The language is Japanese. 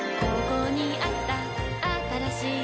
ここにあったあったらしい